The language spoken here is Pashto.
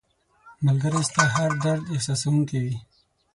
ملګری ستا هر درد احساسوونکی وي